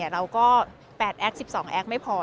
เราก็๘แอค๑๒แอคไม่พอ